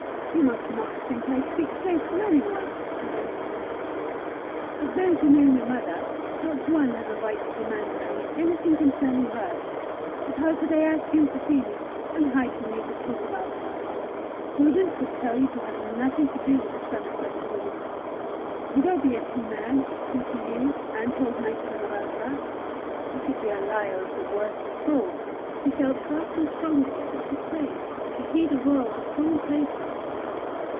"You must not think I speak so to any one," he went on. "Of those who know my mother, not one has a right to demand of me anything concerning her. But how could I ask you to see me, and hide from you the truth about her? Prudence would tell you to have nothing to do with the son of such a woman: could I be a true man, true to you, and hold my tongue about her? I should be a liar of the worst sort!" He felt far too strongly, it was plain, to heed a world of commonplaces.